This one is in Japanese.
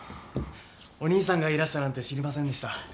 お兄さんがいらしたなんて知りませんでした。